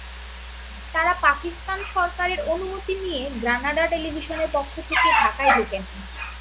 তঁারা পাকিস্তান সরকারের অনুমতি নিয়ে গ্রানাডা টেলিভিশনের পক্ষ থেকে ঢাকায় ঢোকেন।